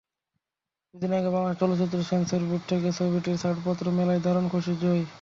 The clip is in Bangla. দুদিন আগে বাংলাদেশ চলচ্চিত্র সেন্সর বোর্ড থেকে ছবিটির ছাড়পত্র মেলায় দারুণ খুশি জয়।